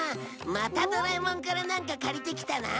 またドラえもんからなんか借りてきたな？